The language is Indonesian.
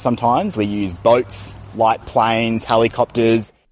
kita menggunakan kapal kapal cacak helikopter